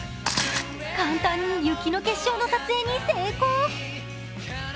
簡単に雪の結晶の撮影に成功。